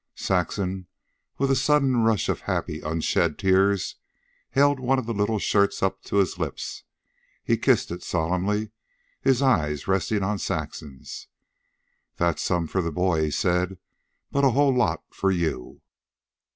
Saxon, with a sudden rush of happy, unshed tears, held one of the little shirts up to his lips. He kissed it solemnly, his eyes resting on Saxon's. "That's some for the boy," he said, "but a whole lot for you."